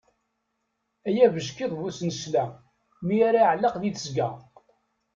Ay abeckiḍ bu snesla, mi ara iɛelleq di tesga.